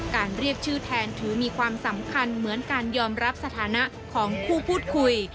เรียกชื่อแทนถือมีความสำคัญเหมือนการยอมรับสถานะของผู้พูดคุย